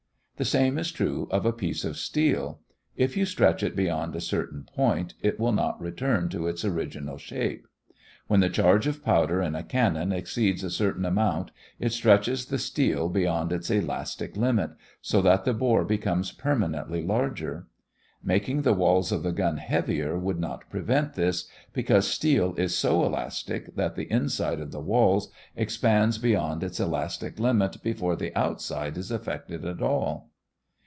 The same is true of a piece of steel: if you stretch it beyond a certain point, it will not return to its original shape. When the charge of powder in a cannon exceeds a certain amount, it stretches the steel beyond its elastic limit, so that the bore becomes permanently larger. Making the walls of the gun heavier would not prevent this, because steel is so elastic that the inside of the walls expands beyond its elastic limit before the outside is affected at all.